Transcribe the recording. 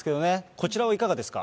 こちらはいかがですか？